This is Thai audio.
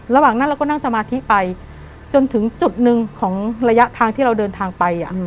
ระหว่างนั้นเราก็นั่งสมาธิไปจนถึงจุดหนึ่งของระยะทางที่เราเดินทางไป